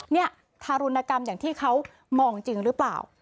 เนี่ยทารุณกรรมอย่างที่เขามองจริงหรือเปล่า